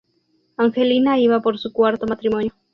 Angelina iba por su cuarto matrimonio.